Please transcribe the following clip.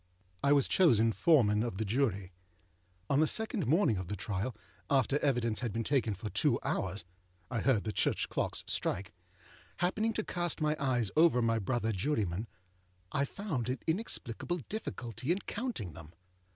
I was chosen Foreman of the Jury. On the second morning of the trial, after evidence had been taken for two hours (I heard the church clocks strike), happening to cast my eyes over my brother jurymen, I found an inexplicable difficulty in counting them.